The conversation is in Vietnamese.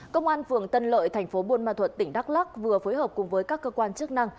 công an phường tân lợi thành phố buôn ma thuật tỉnh đắk lắc vừa phối hợp cùng với các cơ quan chức năng